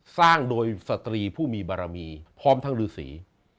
สร้างโดยสตรีผู้มีบารมีพร้อมทั้งฤษี